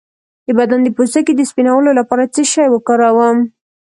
د بدن د پوستکي د سپینولو لپاره څه شی وکاروم؟